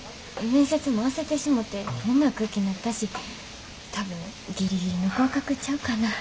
面接も焦ってしもて変な空気なったし多分ギリギリの合格ちゃうかな。